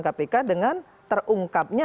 kpk dengan terungkapnya